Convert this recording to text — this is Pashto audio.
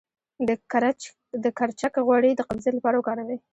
د کرچک غوړي د قبضیت لپاره وکاروئ